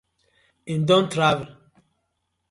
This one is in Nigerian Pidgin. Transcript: Him don travel.